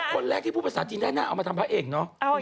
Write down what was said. คนแรกในภาคผาสาทจีนน่าเอามาทำพระเอกเหรอ